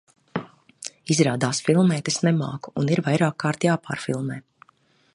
Izrādās filmēt es nemāku, un ir vairākkārt jāpārfilmē.